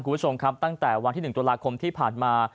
คุณผู้ชมครับตั้งแต่วันที่๑ตุลาคมที่ผ่านมา